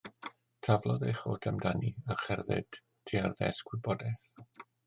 Taflodd ei chot amdani a cherdded tua'r ddesg wybodaeth.